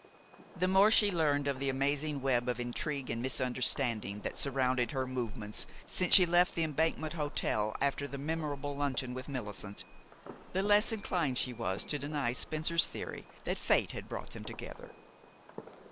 The more she learned of the amazing web of intrigue and misunderstanding that surrounded her movements since she left the Embankment Hotel after that memorable luncheon with Millicent, the less inclined she was to deny Spencer's theory that Fate had brought them together.